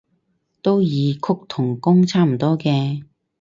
都異曲同工差唔多嘅